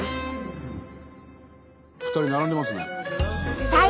２人並んでますね。